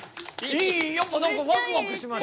やっぱ何かワクワクしました。